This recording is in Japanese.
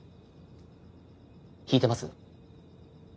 引いてます？